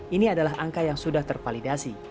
ini adalah angka yang sudah tervalidasi